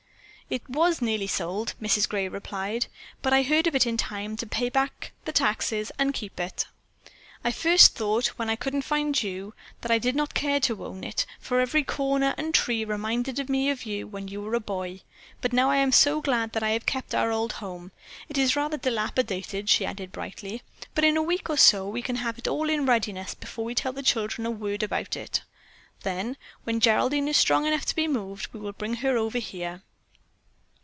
"It was nearly sold," Mrs. Gray replied, "but I heard of it in time to pay the back taxes and keep it. At first I thought, when I couldn't find you, that I did not care to own it, for every corner and tree reminded me of you when you were a boy, but now I am so glad that I have kept our old home. It is rather dilapidated," she added brightly, "but in a week or so we can have it all in readiness before we tell the children a word about it. Then, when Geraldine is strong enough to be moved, we will bring her over here."